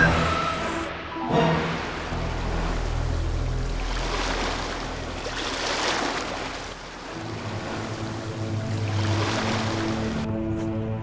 wah ini keren